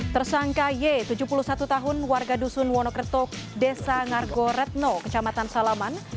tersangka y tujuh puluh satu tahun warga dusun wonokertok desa ngargoretno kecamatan salaman